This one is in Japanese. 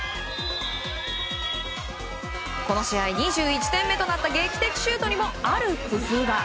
この試合２１点目となった劇的シュートにもある工夫が。